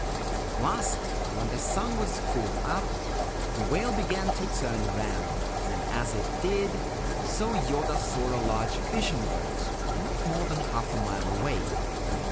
At last, when the sun was full up, the whale began to turn round, and as it did so Yoda saw a large fishing boat not more than half a mile away.